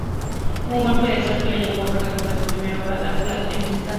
Un golpe de suerte la llevó a protagonizar su primera obra "Drácula, el musical".